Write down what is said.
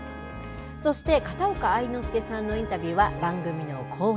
そして片岡愛之助さんのインタビューは、番組の後半。